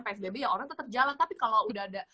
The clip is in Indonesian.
psbb ya orang tetap jalan tapi kalau udah ada